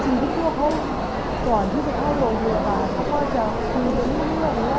รักภาพนะละครหล่อยไหมเขาจะถึงห่วงเรื่องนานเยอะโดยเฉพาะงานของเขา